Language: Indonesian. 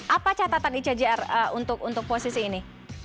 apa catatan icjr untuk posisi ini